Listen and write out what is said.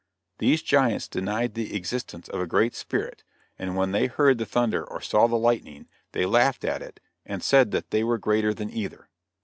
These giants denied the existence of a Great Spirit, and when they heard the thunder or saw the lightning they laughed at it and said that they were greater than either.